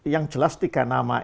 yang jelas tiga nama